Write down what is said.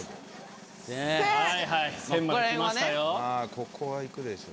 ここはいくでしょ。